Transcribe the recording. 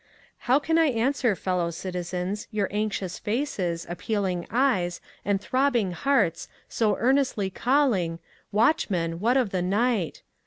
THE PERIL OF THE HOUR 326 How can I answer, fellow citizens, your anxious faces, appealing eyes, and throbbing hearts, so earnestly calling: Watchman, what of the night